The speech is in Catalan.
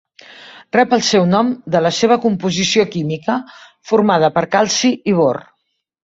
Rep el seu nom de la seva composició química, formada per calci i bor.